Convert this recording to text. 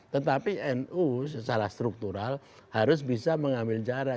tetapi nu secara struktural harus bisa mengambil jarak